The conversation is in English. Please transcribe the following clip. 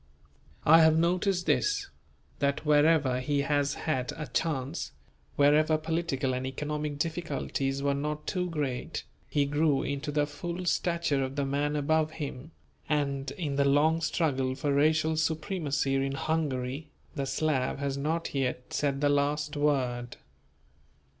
I have noticed this: That wherever he has had a chance, wherever political and economic difficulties were not too great, he grew into the full stature of the man above him; and in the long struggle for racial supremacy in Hungary, the Slav has not yet said the last word.